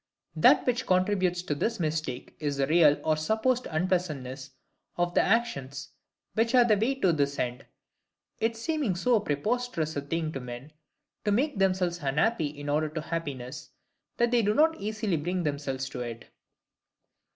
That which contributes to this mistake is the real or supposed unpleasantness of the actions which are the way to this end; it seeming so preposterous a thing to men, to make themselves unhappy in order to happiness, that they do not easily bring themselves to it.